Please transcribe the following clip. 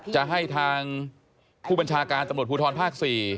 จะให้ทางผู้บัญชาการตำรวจภูทรภาค๔